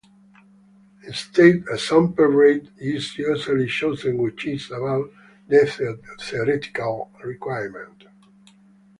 Instead, a sample rate is usually chosen which is above the theoretical requirement.